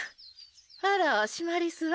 あらシマリスは？